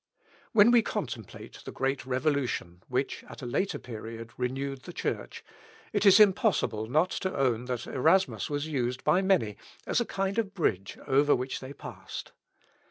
When we contemplate the great revolution, which, at a later period, renewed the Church, it is impossible not to own that Erasmus was used by many as a kind of bridge, over which they passed.